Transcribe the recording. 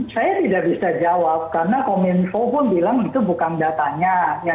saya tidak bisa jawab karena kominfo pun bilang itu bukan datanya